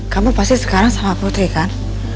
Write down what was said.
kamu pasti sekarang sama putri kan